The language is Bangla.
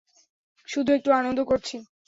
শুধু একটু আনন্দ করছি।